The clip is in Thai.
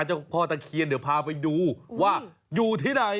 เจ้าพ่อตะเคียนเดี๋ยวพาไปดูว่าอยู่ที่ไหน